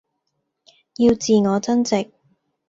要自我增值